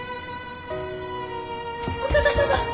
お方様！